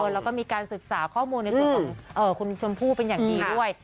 แล้วก็มีการศึกษาข้อมูลในส่วนของคุณชมพู่เป็นอย่างดีด้วย